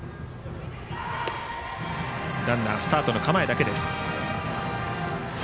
ランナーはスタートの構えだけ。